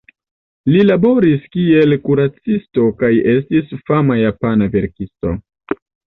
Li laboris kiel kuracisto kaj estis fama japana verkisto.